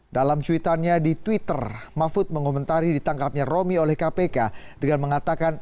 dalam cuitannya di twitter mahfud mengomentari ditangkapnya romi oleh kpk dengan mengatakan